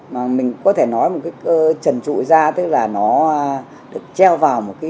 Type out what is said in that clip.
mà mình có thể nói một cái trần trụi ra tức là nó được treo vào một cái